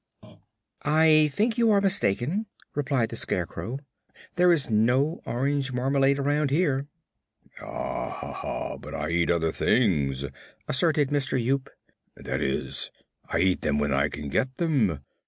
"I think you are mistaken," replied the Scarecrow. "There is no orange marmalade around here." "Ah, but I eat other things," asserted Mister Yoop. "That is, I eat them when I can get them.